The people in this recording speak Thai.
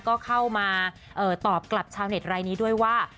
ก็เข้ามาตอบกลับชาวเน็ตรายนี้ด้วยว่า